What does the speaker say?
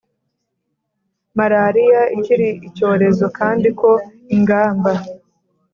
malariya ikiri icyorezo kandi ko ingamba